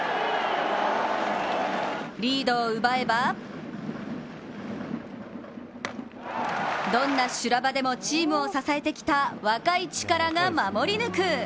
リードを奪えばどんな修羅場でもチームを支えてきた若い力が守り抜く。